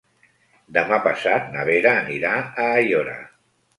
Demà passat na Vera anirà a Aiora.